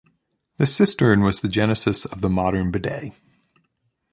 The cistern was the genesis of the modern bidet.